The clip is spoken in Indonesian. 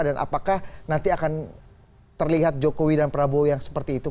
dan apakah nanti akan terlihat jokowi dan prabowo yang seperti itu